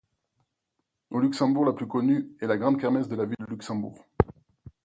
Au Luxembourg la plus connue est la grande Kermesse de la Ville de Luxembourg.